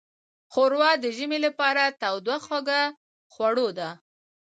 ښوروا د ژمي لپاره توده خوږه خوړو ده.